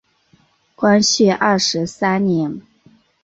光绪二十三年。